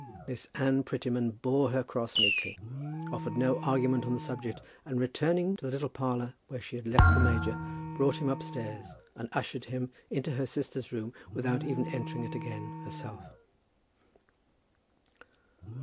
Miss Anne Prettyman bore her cross meekly, offered no argument on the subject, and returning to the little parlour where she had left the major, brought him upstairs and ushered him into her sister's room without even entering it again, herself.